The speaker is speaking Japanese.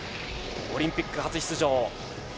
オリンピック初出場。